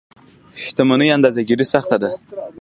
شتمنيو اندازه ګیري سخته ده.